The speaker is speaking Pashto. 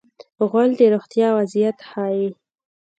غول د روغتیا وضعیت ښيي.